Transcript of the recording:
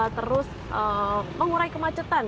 terus mengurai kemacetan